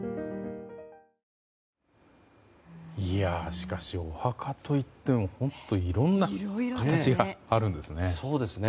しかし、お墓といっても本当いろんな形があるんですね。